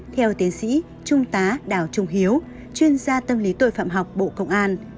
theo tiến sĩ trung tá đào trung hiếu chuyên gia tâm lý tội phạm học bộ công an